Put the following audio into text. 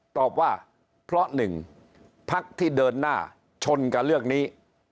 ตอบว่าเพราะหนึ่งพักที่เดินหน้าชนกับเรื่องนี้